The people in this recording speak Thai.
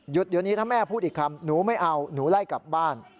เดี๋ยวนี้ถ้าแม่พูดอีกคำหนูไม่เอาหนูไล่กลับบ้าน